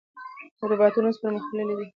روباټونه اوس پرمختللي دي.